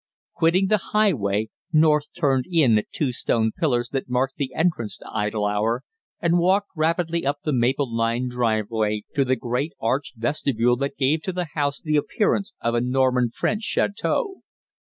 Quitting the highway, North turned in at two stone pillars that marked the entrance to Idle Hour and walked rapidly up the maple lined driveway to the great arched vestibule that gave to the house the appearance of a Norman French château.